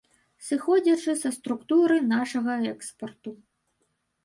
Сыходзячы са структуры нашага экспарту.